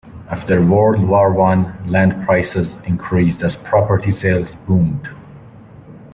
After World War One, land prices increased as property sales boomed.